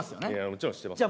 もちろん知ってますよ。